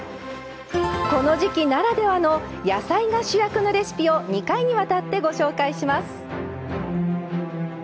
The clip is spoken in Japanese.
この時季ならではの野菜が主役のレシピを２回にわたってご紹介します。